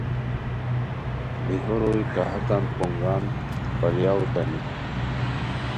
دیہو روئے کاہاکن پونگان پالیاؤ اوتانی